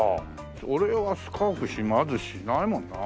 俺はスカーフまずしないもんな。